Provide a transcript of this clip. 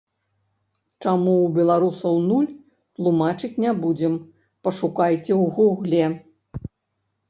Чаму ў беларусаў нуль, тлумачыць не будзем, пашукайце ў гугле.